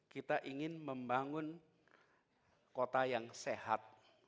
kita ingin membangun kota yang sehat